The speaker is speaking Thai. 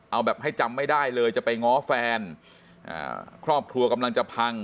เอาแบบให้จำไม่ได้เลยจะไปง้อแฟนอ่าครอบครัวกำลังจะพัง